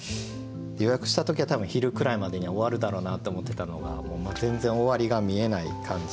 予約した時は多分昼くらいまでには終わるだろうなって思ってたのがもう全然終わりがみえない感じで。